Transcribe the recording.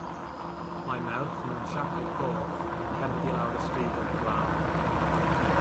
Mae merch mewn siaced goch yn cerdded i lawr y stryd yn y glaw.